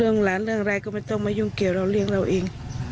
ท้องล้านเรื่องอะไรก็ไม่ต้องมายุ่งเก่าแล้วเลี้ยงเราเอง